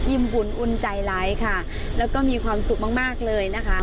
บุญอุ่นใจไร้ค่ะแล้วก็มีความสุขมากมากเลยนะคะ